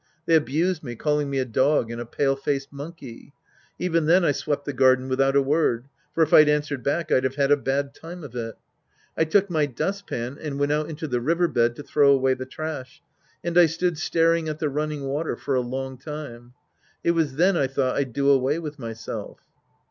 They abused me, calling me a dog and a pale faced monkey. Even then I swept the garden without a word. For if I'd answered back, I'd have had a bad time of it. I took my dustpan and went out into the river bed to throw away the trash. And I stood staring at the running water for a long time. It was then I thought I'd do away with myself.